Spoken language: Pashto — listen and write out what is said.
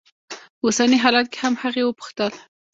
په اوسني حالت کې هم؟ هغې وپوښتل.